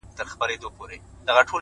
عجيب سړى يم له سهاره تر غرمې بيدار يم.